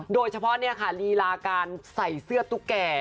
โดยเฉพาะเนี่ยค่ะลีลาการใส่เสื้อตุ๊กแก่